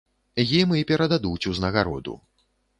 Ім і перададуць узнагароду.